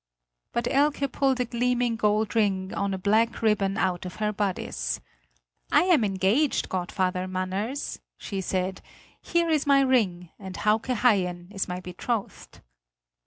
But Elke pulled a gleaming gold ring on a black ribbon out of her bodice: "I am engaged, godfather Manners," she said; "here is my ring, and Hauke Haien is my betrothed."